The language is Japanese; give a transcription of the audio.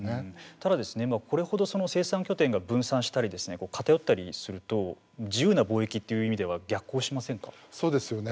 ただ、これほどその生産拠点が分散したり偏ったりすると自由な貿易という意味ではそうですよね。